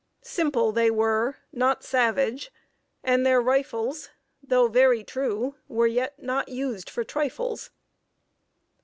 Simple they were, not savage; and their rifles, Though very true, were yet not used for trifles."